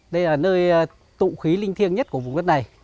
đây là nơi tụ khí linh thiêng nhất của vùng đất này